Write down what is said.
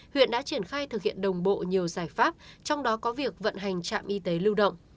huyện đã triển khai thực hiện đồng bộ nhiều giải pháp trong đó có việc vận hành trạm y tế lưu động